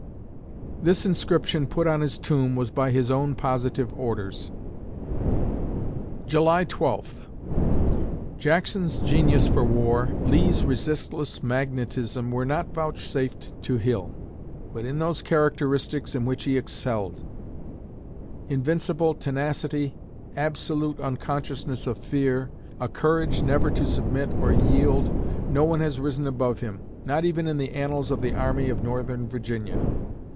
"This Inscription put on His Tomb was by His Own Positive Orders." July Twelfth Jackson's genius for war, Lee's resistless magnetism, were not vouchsafed to Hill; but in those characteristics in which he excelled: invincible tenacity, absolute unconsciousness of fear, a courage never to submit or yield, no one has risen above him, not even in the annals of the Army of Northern Virginia.